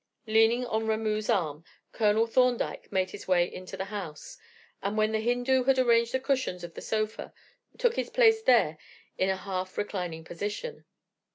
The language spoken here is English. Leaning on Ramoo's arm, Colonel Thorndyke made his way into the house, and when the Hindoo had arranged the cushions of the sofa, took his place there in a half reclining position.